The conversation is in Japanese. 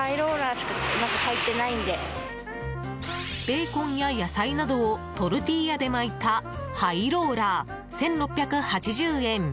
ベーコンや野菜などをトルティーヤで巻いたハイローラー、１６８０円。